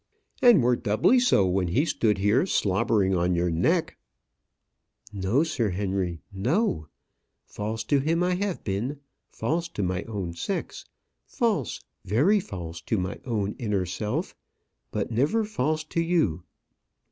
"And were doubly so when he stood here slobbering on your neck." "No, Sir Henry, no. False to him I have been; false to my own sex; false, very false to my own inner self; but never false to you."